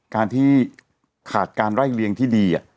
การที่ขาดการไล่เลี้ยงที่ดี